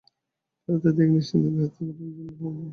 তার আত্মত্যাগ, নিঃসন্দেহে বৃহত্তর ভালোর জন্যই হবে।